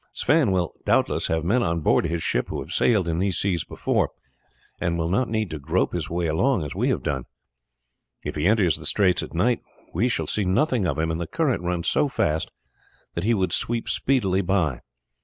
Sweyn will, doubtless, have men on board his ship who have sailed in these seas before, and will not need to grope his way along as we have done. If he enters the straits at night we shall see nothing of him, and the current runs so fast that he would sweep speedily by.